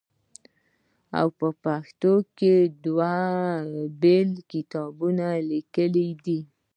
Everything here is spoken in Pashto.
او پښتو کښې دوه بيل کتابونه ليکلي دي